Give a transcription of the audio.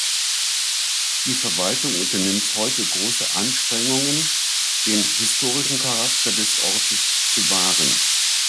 Die Verwaltung unternimmt heute große Anstrengungen, den historischen Charakter des Ortes zu wahren.